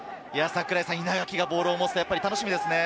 稲垣がボールを持つと楽しみですね。